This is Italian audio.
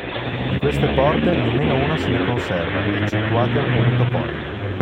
Di queste porte nemmeno una se ne conserva, eccettuati alcuni toponimi.